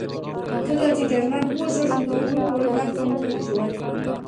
کله چې جنرال ووژل شو د هغوی روحيات کمزوري شول.